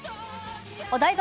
お台場